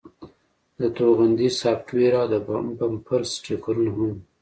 د توغندي سافټویر او د بمپر سټیکرونه هم وو